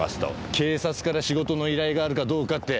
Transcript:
警察から仕事の依頼があるかどうかって。